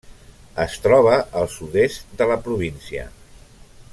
Es troba al sud-est de la província.